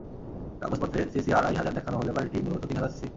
কাগজপত্রে CC আড়াই হাজার দেখানো হলেও গাড়িটি মূলত তিন হাজার সিসির।